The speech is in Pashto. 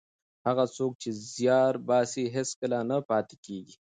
هغه څوک چې زیار باسي هېڅکله نه پاتې کېږي.